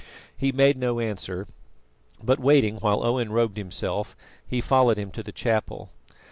He made no answer, but waiting while Owen robed himself, he followed him to the chapel.